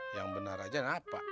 yang benar aja kenapa